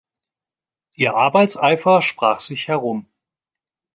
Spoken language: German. Ihr Arbeitseifer sprach sich herum.